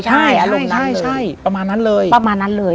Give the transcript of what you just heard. ใช่ใช่ประมาณนั้นเลย